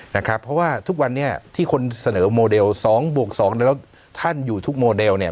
นะครับเพราะว่าทุกวันนี้ที่คนเสนอโมเดลสองบวกสองแล้วท่านอยู่ทุกโมเดลเนี่ย